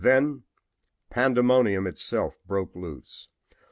Then pandemonium itself broke loose.